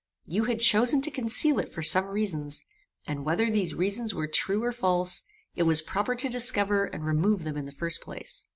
You had chosen to conceal it for some reasons, and whether these reasons were true or false, it was proper to discover and remove them in the first place.